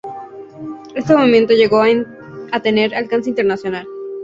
Este movimiento llegó a tener alcance internacional.